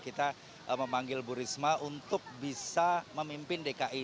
kita memanggil bu risma untuk bisa memimpin dki